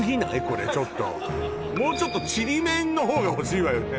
これちょっともうちょっとちりめんのほうが欲しいわよね